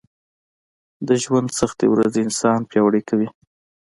د ژونــد سختې ورځې انـسان پـیاوړی کوي